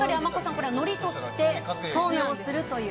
これはのりとして活用すると。